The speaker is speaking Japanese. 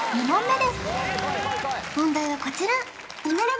問題はこちら！